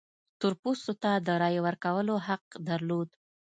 تور پوستو ته د رایې ورکولو حق درلود.